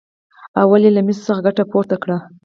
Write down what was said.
لومړی یې له مسو څخه ګټه پورته کړه.